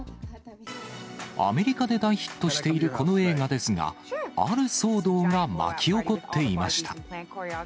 アメリカで大ヒットしているこの映画ですが、ある騒動が巻き起こっていました。